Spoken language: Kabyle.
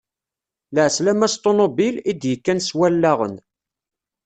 Lɛeslama s ṭunubil, i d-yekkan s Wallaɣen.